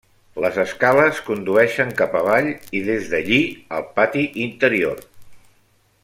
Les escales condueixen cap avall i des d'allí al pati interior.